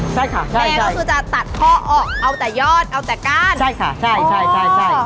ใช่ค่ะใช่แม่ก็คือจะตัดข้อออกเอาแต่ยอดเอาแต่ก้านใช่ค่ะใช่ใช่ใช่